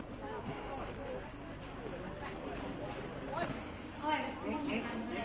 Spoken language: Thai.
ทุติยังปิตพุทธธาเป็นที่พึ่ง